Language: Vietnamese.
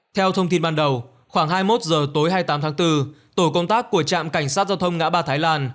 theo thông tin ban đầu khoảng hai mươi một h tối hai mươi tám tháng bốn tổ công tác của trạm cảnh sát giao thông ngã ba thái lan